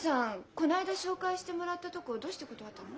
こないだ紹介してもらったとこどうして断ったの？